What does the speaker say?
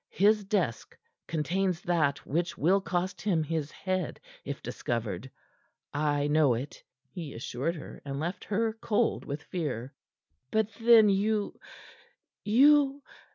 "His desk contains that which will cost him his head if discovered. I know it," he assured her, and left her cold with fear. "But, then, you you?"